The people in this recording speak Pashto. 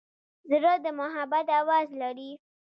زړه د محبت آواز لري.